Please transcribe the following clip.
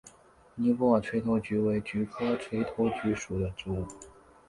尼泊尔垂头菊为菊科垂头菊属的植物。